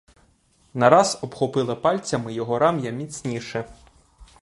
Нараз обхопила пальцями його рам'я міцніше.